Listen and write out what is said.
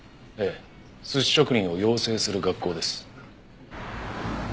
寿司職人を養成する学校です。